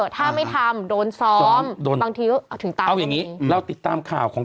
ถ้าไม่ทำโดนซ้อมโดนบางทีก็เอาถึงตามเอาอย่างนี้เราติดตามข่าวของ